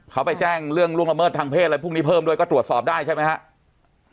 เขาไปแจ้งเรื่องล่วงล่วงละเมิดทางเพศอะไรพวกนี้เพิ่มด้วยก็ตรวจสอบได้ใช่ไหมครับ